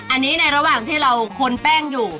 อันนี้ในระหว่างที่เราคนแป้งอยู่